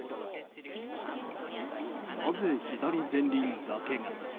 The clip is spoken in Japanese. なぜ左前輪だけが？